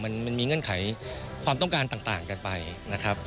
มันมีเงื่อนไขความต้องการต่างกันไปนะครับ